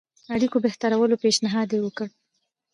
اړيکو بهترولو پېشنهاد وکړي.